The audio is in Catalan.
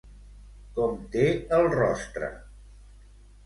Com té el rostre?